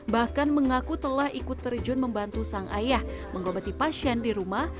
bahkan mengaku telah ikut terjun membantu sang ayah mengobati pasien di rumah